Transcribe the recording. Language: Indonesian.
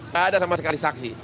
tidak ada sama sekali saksi